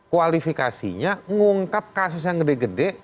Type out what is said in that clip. kualifikasinya ngungkap kasus yang gede gede